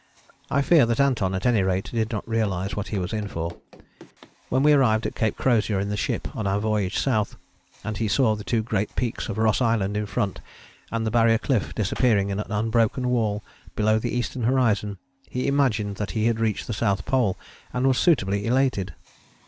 I fear that Anton, at any rate, did not realize what he was in for. When we arrived at Cape Crozier in the ship on our voyage south, and he saw the two great peaks of Ross Island in front and the Barrier Cliff disappearing in an unbroken wall below the eastern horizon, he imagined that he reached the South Pole, and was suitably elated.